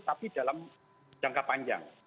tapi dalam jangka panjang